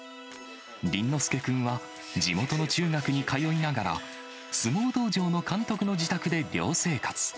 倫之亮君は、地元の中学に通いながら、相撲道場の監督の自宅で寮生活。